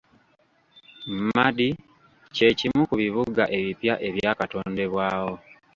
Madi kye kimu ku bibuga ebipya ebyakatondebwawo.